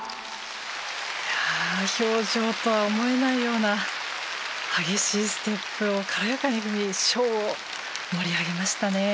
いやあ氷上とは思えないような激しいステップを軽やかに踏みショーを盛り上げましたね。